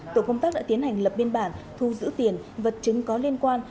tổ công tác đã tiến hành lập biên bản thu giữ tiền vật chứng có liên quan